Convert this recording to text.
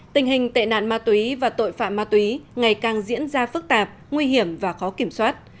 tình hình tệ nạn ma túy và tội phạm ma túy ngày càng diễn ra phức tạp nguy hiểm và khó kiểm soát